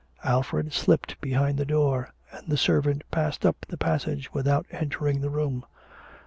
Alfred slipped behind the door and the servant passed up the passage without entering the room.